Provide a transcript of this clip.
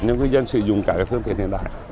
cho ngư dân sử dụng cả phương tiện hiện đại